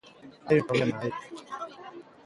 Hai un problema aí.